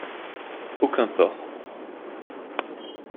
Aucun port.